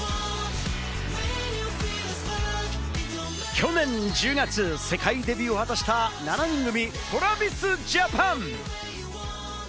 去年１０月、世界デビューを果たした７人組ＴｒａｖｉｓＪａｐａｎ。